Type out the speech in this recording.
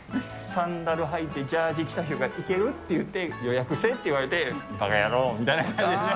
サンダル履いてジャージ着た人が行ける？っていって、予約制って言われて、ばか野郎みたいな感じですね。